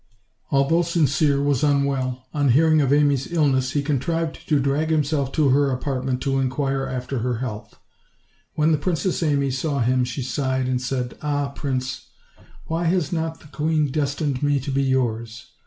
Although Sincere was unwell, on hearing of Amy's ill ness he contrived to drag himself to her apartment to inquire after her health. When the Princess Amy saw him she sighed and said: "Ah! prince, why has not the queen destined me to be yours?